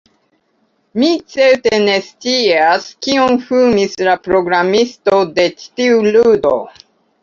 Mi certe ne scias kion fumis la programisto de ĉi tiu ludo